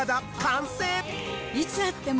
いつ会っても。